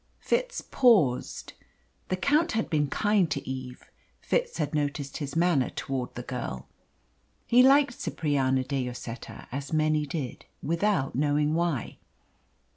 Fitz paused. The Count had been kind to Eve. Fitz had noticed his manner towards the girl. He liked Cipriani de Lloseta as many did without knowing why.